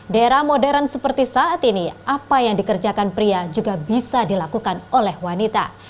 di era modern seperti saat ini apa yang dikerjakan pria juga bisa dilakukan oleh wanita